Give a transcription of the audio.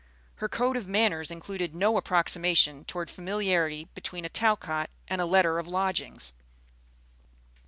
Her code of manners included no approximation toward familiarity between a Talcott and a letter of lodgings.